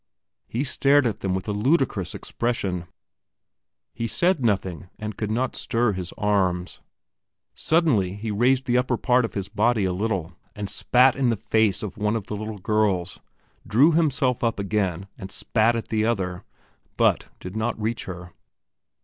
He stared at them with a ludicrous expression; he said nothing, and could not stir his arms. Suddenly he raised the upper part of his body a little and spat in the face of one of the little girls, drew himself up again and spat at the other, but did not reach her.